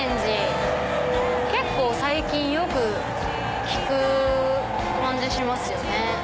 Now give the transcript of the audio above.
結構最近よく聞く感じしますよね。